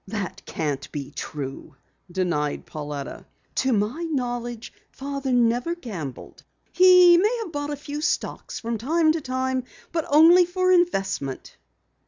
"That can't be true," denied Pauletta. "To my knowledge Father never gambled. He may have bought a few stocks from time to time, but only for investment."